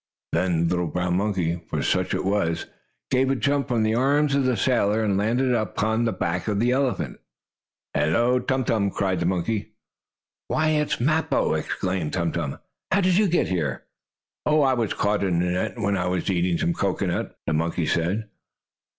Then the little brown monkey, for such it was, gave a jump from the arms of the sailor, and landed up on the back of the elephant. "Hello, Tum Tum!" cried the monkey. "Why, it's Mappo!" exclaimed Tum Tum. "How did you get here?" "I was caught in a net, when I was eating some cocoanut," the monkey said.